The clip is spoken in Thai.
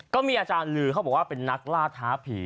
ก็มีอาจารย์ลือเขาบอกว่าเป็นนักล่าท้าผี